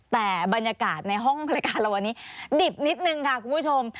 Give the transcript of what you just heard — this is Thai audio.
แต่บรรยากาศในห้องรายการเราวันนี้ดิบนิดนึงค่ะคุณผู้ชม